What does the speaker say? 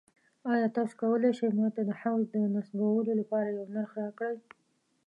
ایا تاسو کولی شئ ما ته د حوض د نصبولو لپاره یو نرخ راکړئ؟